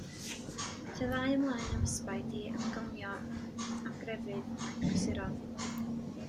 Aeth y ddau ymlaen am ysbaid i ymgomio am grefydd a'i chysuron.